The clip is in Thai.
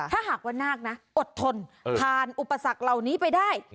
ถ้าหากว่านาคนะอดทนผ่านอุปสรรคเหล่านี้ไปได้